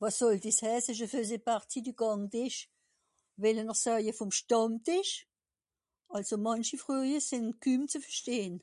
wàs sòll desch heiss je faisais parti du Gàngtìsch wellen'r sàje vom Stàndtìsch alsò manchi Freuje sìn küm ze verstehen